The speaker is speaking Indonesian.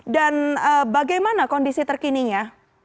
dan bagaimana kondisi terkininya